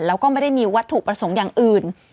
แล้วก็ไม่ได้มีวัตถุประสงค์อย่างอื่น